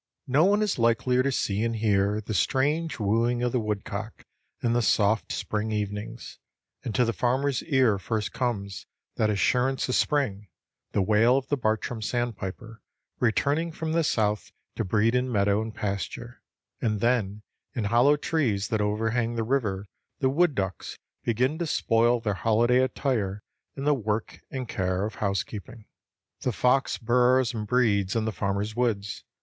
No one is likelier to see and hear the strange wooing of the woodcock in the soft spring evenings, and to the farmer's ear first comes that assurance of spring, the wail of the Bartram's sandpiper returning from the South to breed in meadow and pasture, and then in hollow trees that overhang the river the wood ducks begin to spoil their holiday attire in the work and care of housekeeping. The fox burrows and breeds in the farmer's woods.